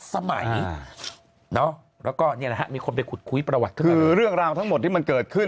สมัยแล้วก็เขาไปคุยประวัติเรื่องราวทั้งหมดที่มันเกิดขึ้น